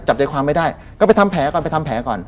จับใจความไม่ได้ก็ไปทำแผลก่อนไปทำแผลก่อน